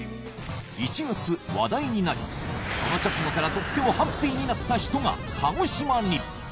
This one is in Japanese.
１月話題になりその直後からとってもハッピーになった人が鹿児島に。